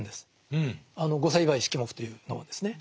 あの「御成敗式目」というのをですね。